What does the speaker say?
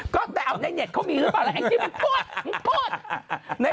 ก็แต่เอาในเน็ตเขามีหรือเปล่าแองชิ้นพูด